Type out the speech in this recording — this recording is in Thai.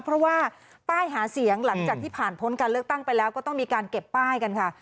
เพราะว่าป้ายหาเสียงหลังจากที่ผ่านพ้นการเลือกตั้งไปแล้วก็ต้องมีการเก็บป้ายกันค่ะ